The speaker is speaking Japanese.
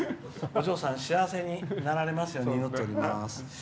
お嬢さん幸せになられますように祈っております。